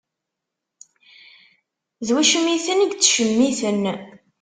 D ucmiten i yettcemiten.